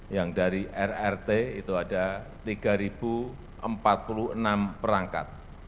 yang dari rrt itu ada tiga empat puluh enam perangkat